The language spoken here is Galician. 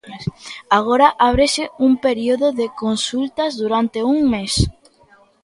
Agora ábrese un período de consultas durante un mes.